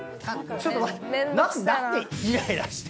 ちょっと待って。